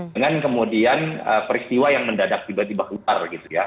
dengan kemudian peristiwa yang mendadak tiba tiba keluar gitu ya